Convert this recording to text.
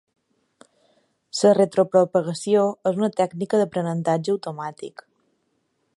La retropropagació és una tècnica d'aprenentatge automàtic.